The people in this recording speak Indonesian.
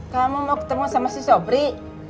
kamu mau ketemu sama si sobri